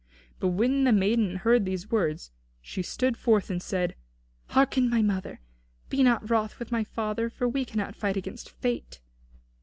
But when the maiden heard these words, she stood forth and said: "Hearken, my mother. Be not wroth with my father, for we cannot fight against Fate.